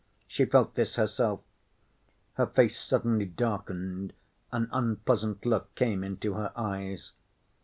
She felt this herself. Her face suddenly darkened, an unpleasant look came into her eyes.